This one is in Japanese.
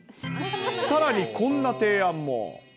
さらにこんな提案も。